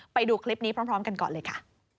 ไปดูคลิปนี้พร้อมกันก่อนเลยค่ะ